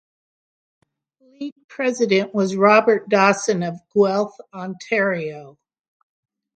League president was Robert Dawson of Guelph, Ontario.